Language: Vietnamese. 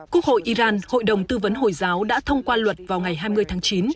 quốc hội iran hội đồng tư vấn hồi giáo đã thông qua luật vào ngày hai mươi tháng chín